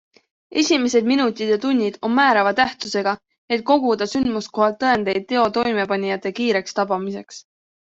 Esimesed minutid ja tunnid on määrava tähtsusega, et koguda sündmuskohalt tõendeid teo toimepanijate kiireks tabamiseks.